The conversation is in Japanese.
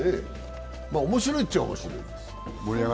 面白いっちゃ面白い。